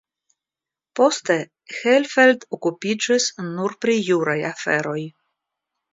Poste Hellfeld okupiĝis nur pri juraj aferoj.